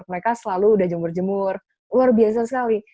mereka selalu udah jemur jemur luar biasa sekali